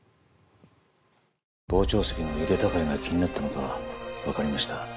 傍聴席の井手孝也が気になったのがわかりました。